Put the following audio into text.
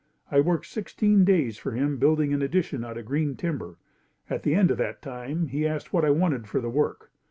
I worked sixteen days for him building an addition out of green timber. At the end of that time he asked what I wanted for the work.